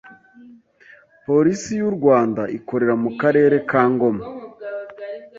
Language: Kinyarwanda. Polisi y’u Rwanda ikorera mu Karere ka Ngoma